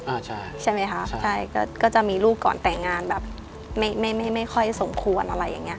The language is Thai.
อ่าใช่ใช่ไหมคะใช่ก็ก็จะมีลูกก่อนแต่งงานแบบไม่ไม่ไม่ค่อยสมควรอะไรอย่างเงี้